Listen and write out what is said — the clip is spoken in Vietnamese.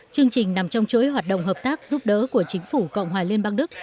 chương trình nằm trong chuỗi hoạt động hợp tác giúp đỡ của chính phủ cộng hòa liên bang đức